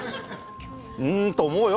うんと思うよ。